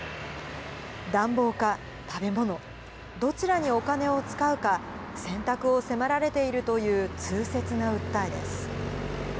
暖房か食べ物、どちらにお金を使うか、選択を迫られているという痛切な訴えです。